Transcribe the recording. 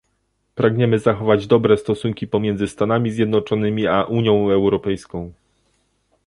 Pragniemy zachować dobre stosunki pomiędzy Stanami Zjednoczonymi a Unią Europejską